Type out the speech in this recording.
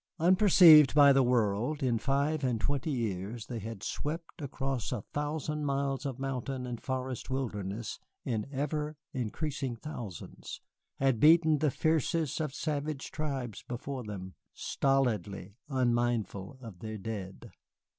Unperceived by the world, in five and twenty years they had swept across a thousand miles of mountain and forest wilderness in ever increasing thousands, had beaten the fiercest of savage tribes before them, stolidly unmindful of their dead.